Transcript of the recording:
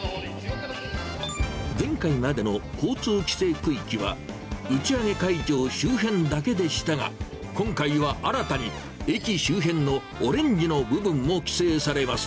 前回までの交通規制区域は、打ち上げ会場周辺だけでしたが、今回は新たに、駅周辺のオレンジの部分も規制されます。